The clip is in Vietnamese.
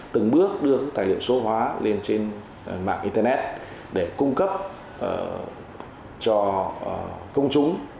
từng bước đưa các tài liệu số hóa lên trên mạng internet để cung cấp cho công chúng